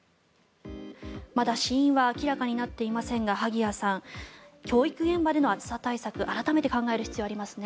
まだ死因は明らかになっていませんが萩谷さん教育現場での暑さ対策改めて考える必要がありますね。